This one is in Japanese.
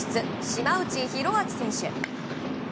島内宏明選手。